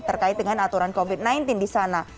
terkait dengan aturan covid sembilan belas di sana